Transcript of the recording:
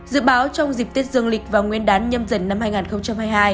dự báo trong dịp tết dương lịch và nguyên đán nhâm dần năm hai nghìn hai mươi hai